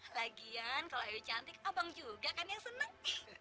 lagian kalau ayu cantik abang juga kan yang senang